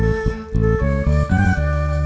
mak dede pulang